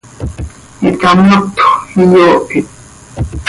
itamotjö, iyoohit.